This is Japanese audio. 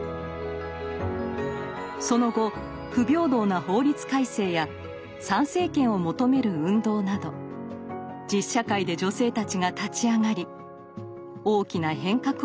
その後不平等な法律改正や参政権を求める運動など実社会で女性たちが立ち上がり大きな変革をもたらしました。